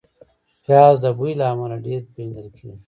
پیاز د بوی له امله ډېر پېژندل کېږي